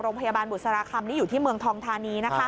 โรงพยาบาลบุษราคำนี้อยู่ที่เมืองทองทานีนะคะ